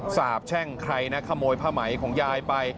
สาบแช่งใครนะขโมยผ้าไหมของยายไป